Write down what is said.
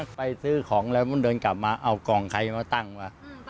ไปซื้อของแล้วมันเดินกลับมาเอากล่องใครมาตั้งว่ะ